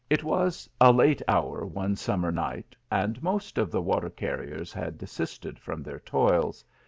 It was a late hour one summer night, and most of the water carriers had desisted from their tr : s.